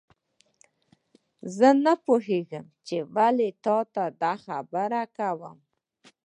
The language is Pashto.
زه نه پوهیږم چې ولې تا ته دا خبره کوم